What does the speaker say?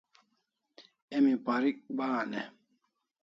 Emi parik bahan e ?